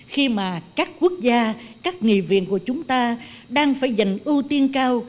khi mà các quốc gia các nghị viện của chúng ta đang phải dành ưu tiên cao